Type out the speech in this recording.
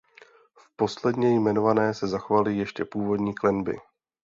V posledně jmenované se zachovaly ještě původní klenby.